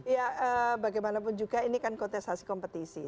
ya bagaimanapun juga ini kan kontestasi kompetisi